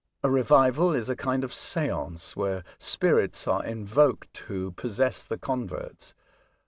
A revival is a kind of seance^ where spirits are invoked who possess the converts.